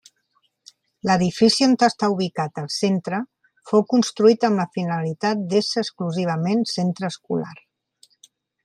L'edifici on està ubicat el centre fou construït amb la finalitat d'ésser exclusivament centre escolar.